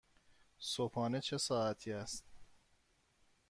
صبحانه چه ساعتی است؟